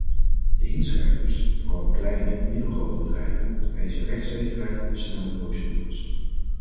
De inschrijvers, vooral kleine en middelgrote bedrijven, eisen rechtszekerheid en snelle procedures.